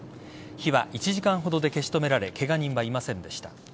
火は１時間ほどで消し止められケガ人はいませんでした。